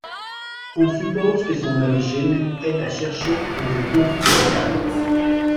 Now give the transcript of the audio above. On suppose que son origine est à chercher dans un conflit local.